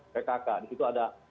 pkk di situ ada